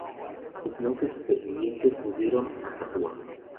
Los monjes supervivientes huyeron a Capua.